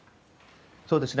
そうですね。